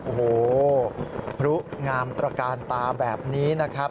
โอ้โหพลุงามตระกาลตาแบบนี้นะครับ